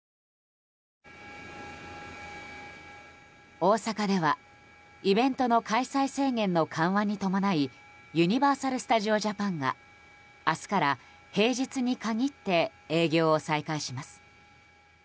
大阪ではイベントの開催制限の緩和に伴いユニバーサル・スタジオ・ジャパンが明日から平日に限って営業を再開します。